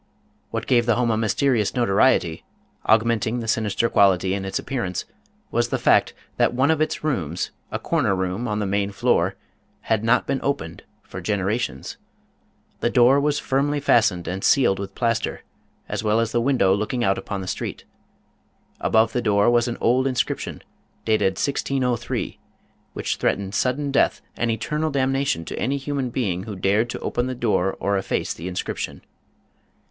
What gave the house a mysterious notoriety, augmenting the sinister quality in its appearance, was the fact that one of its rooms, a corner room on the main floor, had not been opened for generations. The door was firmly fastened and sealed with plaster, as well as the window looking out upon the street. Above the door was an old inscription, dated 1603, which threatened sudden death and eternal damna tion to any human being who dared to open the door or efface the inscription.